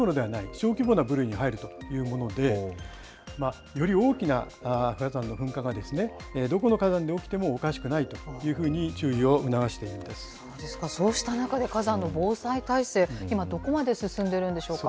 小規模な部類に入るというもので、より大きな火山の噴火が、どこの火山で起きてもおかしくないといそうした中で、火山の防災体制、今、どこまで進んでるんでしょうか。